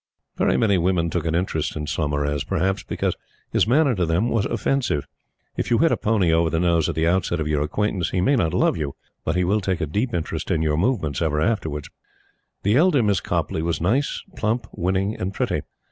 Very many women took an interest in Saumarez, perhaps, because his manner to them was offensive. If you hit a pony over the nose at the outset of your acquaintance, he may not love you, but he will take a deep interest in your movements ever afterwards. The elder Miss Copleigh was nice, plump, winning and pretty.